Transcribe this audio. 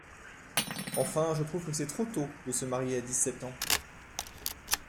Enfin je trouve que c’est trop tôt de se marier à dix-sept ans.